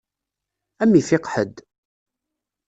Ad m-ifiq ḥedd.